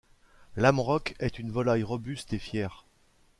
L'amrock est une volaille robuste et fière.